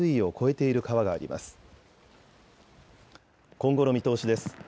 今後の見通しです。